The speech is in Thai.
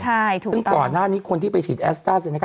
ซึ่งก่อนหน้านี้คนที่ไปฉีดแอสต้าเซเนก้า